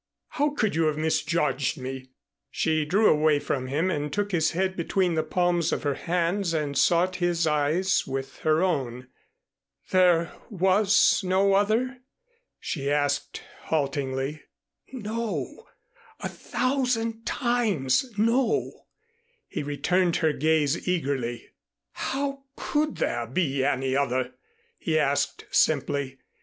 How could you have misjudged me?" She drew away from him and took his head between the palms of her hands and sought his eyes with her own. "There was no other?" she asked haltingly. "No a thousand times no," he returned her gaze eagerly. "How could there be any other?" he asked simply.